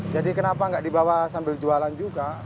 jadi kenapa nggak dibawa sambil jualan juga